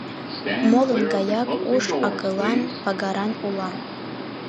Молын гаяк уш-акылан, пагаран улам.